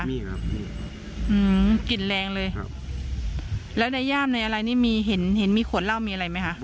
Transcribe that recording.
มีครับมีอืมกลิ่นแรงเลยครับแล้วในย่ามในอะไรนี่มีเห็นเห็นมีขวดเหล้ามีอะไรไหมคะ